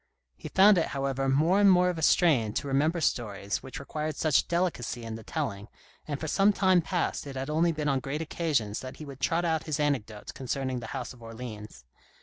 He found it, however, more and more of a strain to remember stories which required such delicacy in the telling, and for some time past it had only been on great occasions that he would trot out his anec dotes concerning the House of Orleans.